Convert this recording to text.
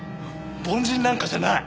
凡人なんかじゃない！